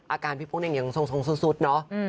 อาการพี่โป๊งเหน่งอย่างทรงสุดเนาะ